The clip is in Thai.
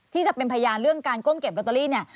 ที่จะเป็นพยานเรื่องการก้มเก็บลอตเตอรี่เนี่ย